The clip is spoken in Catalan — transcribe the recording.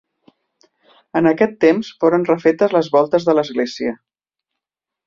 En aquest temps foren refetes les voltes de l'església.